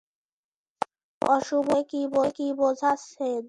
অশুভ বলতে কী বোঝাচ্ছেন?